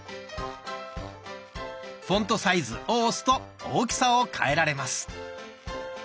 「フォントサイズ」を押すと大きさを変えられます。